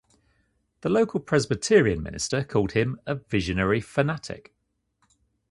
The local Presbyterian minister called him a visionary fanatic.